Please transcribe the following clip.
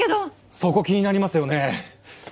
そこ気になりますよね？